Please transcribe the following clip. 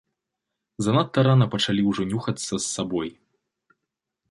Занадта рана пачалі ўжо нюхацца з сабой.